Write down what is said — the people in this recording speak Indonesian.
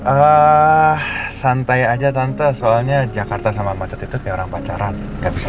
eh santai aja tante soalnya jakarta sama macet itu kayak orang pacaran nggak bisa